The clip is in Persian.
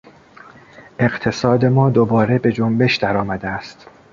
اقتصاد ما دوباره به جنبش در آمده است.